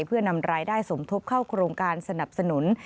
เพื่อนำรายได้สมทบเข้าโครงการสนับสนุน